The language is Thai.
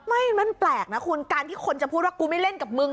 ไม่มันแปลกนะคุณการที่คนจะพูดว่ากูไม่เล่นกับมึง